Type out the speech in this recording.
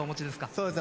そうですね